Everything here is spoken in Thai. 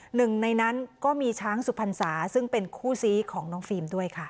หนึ่งในนั้นก็มีช้างสุพรรษาซึ่งเป็นคู่ซีของน้องฟิล์มด้วยค่ะ